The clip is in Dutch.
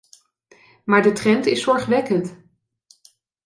Maar de trend is zorgwekkend.